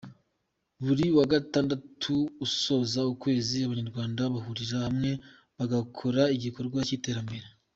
Buri wa Gatandatu usoza ukwezi abanyarwanda bahurira hamwe bagakora igikorwa cy’iterambere.